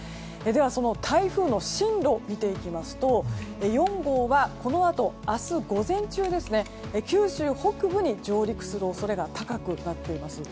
その台風の進路を見ていきますと４号はこのあと明日午前中、九州北部に上陸する恐れが高くなっています。